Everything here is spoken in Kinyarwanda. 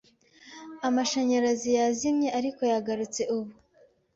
Amashanyarazi yazimye, ariko yagarutse ubu.